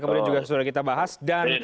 kemudian juga sudah kita bahas dan